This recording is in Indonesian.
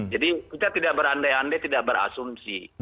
jadi kita tidak berandai andai tidak berasumsi